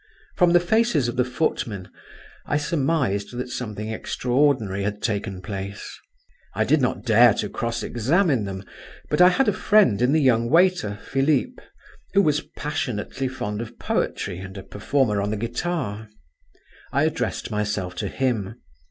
From the faces of the footmen, I surmised that something extraordinary had taken place…. I did not dare to cross examine them, but I had a friend in the young waiter Philip, who was passionately fond of poetry, and a performer on the guitar. I addressed myself to him.